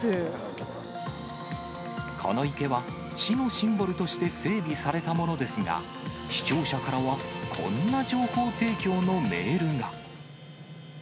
この池は、市のシンボルとして整備されたものですが、視聴者からはこんな情報提供のメールが。